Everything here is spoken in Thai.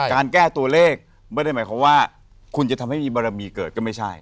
การแก้ตัวเลขไม่ได้หมายความว่าคุณจะทำให้มีบารมีเกิดก็ไม่ใช่